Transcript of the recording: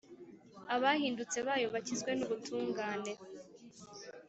abahindutse bayo bakizwe n’ubutungane.